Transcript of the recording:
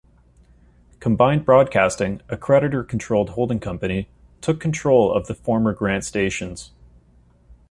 Combined Broadcasting, a creditor-controlled holding company, took control of the former Grant stations.